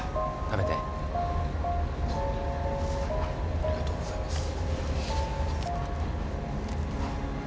ありがとうございます。